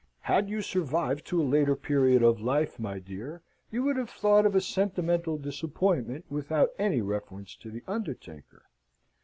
Had you survived to a later period of life, my dear, you would have thought of a sentimental disappointment without any reference to the undertaker.